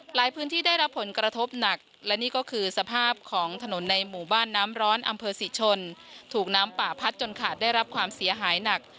พื้นที่ได้รับผลกระทบหนักและนี่ก็คือสภาพของถนนในหมู่บ้านน้ำร้อนอำเภอศรีชนถูกน้ำป่าพัดจนขาดได้รับความเสียหายหนัก